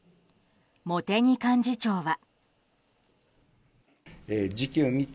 茂木幹事長は。